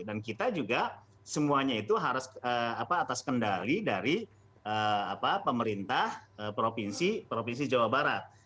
dan kita juga semuanya itu harus atas kendali dari pemerintah provinsi jawa barat